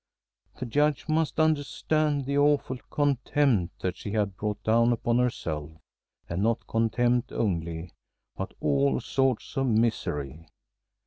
The Judge must understand the awful contempt that she had brought down upon herself, and not contempt only, but all sorts of misery.